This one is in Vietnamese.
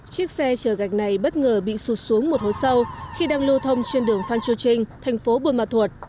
chiếc xe chở gạch này bất ngờ bị sụt xuống một hối sâu khi đang lưu thông trên đường phan châu trinh thành phố buôn ma thuật